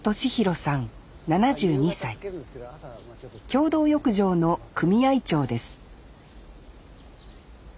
共同浴場の組合長です